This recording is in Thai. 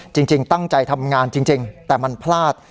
จริงตั้งใจทำงานจริงแต่มันพลาด